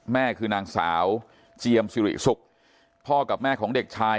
แม่คือนางสาวเจียมสิริสุขพ่อกับแม่ของเด็กชาย